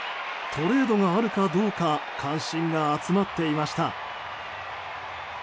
トレードがあるかどうか関心が集まっていました。